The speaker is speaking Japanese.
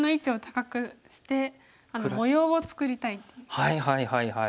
はいはいはいはい。